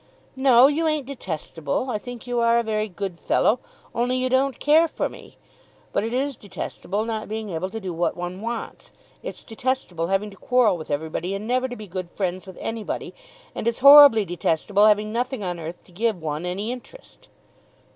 "No, you ain't detestable. I think you are a very good fellow; only you don't care for me. But it is detestable not being able to do what one wants. It's detestable having to quarrel with everybody and never to be good friends with anybody. And it's horribly detestable having nothing on earth to give one any interest."